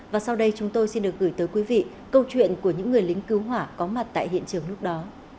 và sau đây chúng tôi xin được gửi tới quý vị câu chuyện của những người lính cứu hỏa có mặt tại hiện trường lúc đó